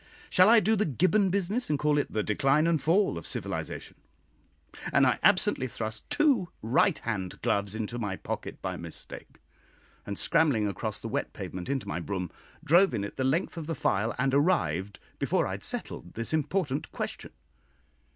Shall I do the Gibbon business, and call it "the decline and fall" of civilisation? and I absently thrust two right hand gloves into my pocket by mistake, and scrambling across the wet pavement into my brougham, drove in it the length of the file and arrived before I had settled this important question.